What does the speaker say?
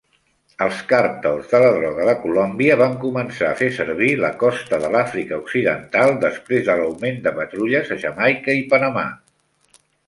Els càrtels de la droga de Colòmbia van començar a fer servir la costa de l'Àfrica Occidental, després de l'augment de patrulles a Jamaica i Panamà.